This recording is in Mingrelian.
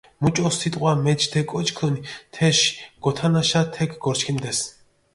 მუჭო სიტყვა მეჩ თე კოჩქჷნ თეში, გოთანაშა თექ გორჩქინდეს.